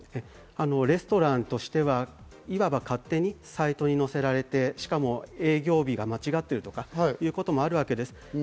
レストランとしては、いわば勝手にサイトに載せられて、しかも営業日が間違ってるとかいうこともあるわけです。